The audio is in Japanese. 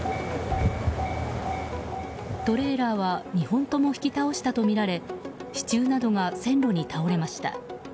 トレーラーは２本とも引き倒したとみられ支柱などが線路に倒れました。